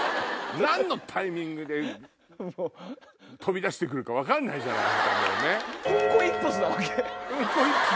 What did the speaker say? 何のタイミングで飛び出して来るか分からないじゃない。